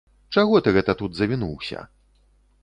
Чаго ты гэта тут завінуўся?